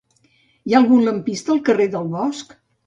Hi ha algun lampista al carrer del Bosc?